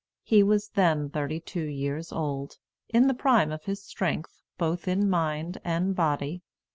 He was then thirty two years old, in the prime of his strength, both in mind and body.